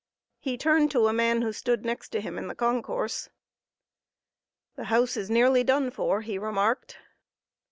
He turned to a man who stood next him in the concourse. "The house is nearly done for," he remarked.